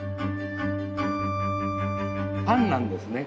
パンなんですね。